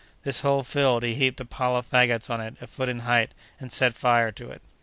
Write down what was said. This hole filled, he heaped a pile of fagots on it a foot in height, and set fire to it.